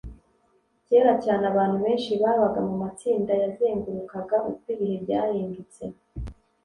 Kera cyane, abantu benshi babaga mumatsinda yazengurukaga uko ibihe byahindutse.